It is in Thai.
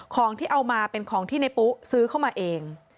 ของที่เอามาเป็นของที่ในปุ๊ซื้อเข้ามาเอง